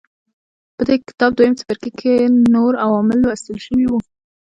په دې کتاب دویم څپرکي کې نور عوامل لوستل شوي وو.